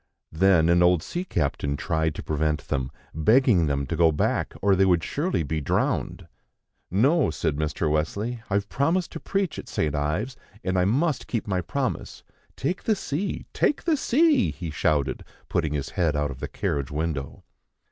Then an old sea captain tried to prevent them, begging them to go back, or they would surely be drowned. "No," said Mr. Wesley, "I've promised to preach at St. Ives, and I must keep my promise. Take the sea! Take the sea!" he shouted, putting his head out of the carriage window.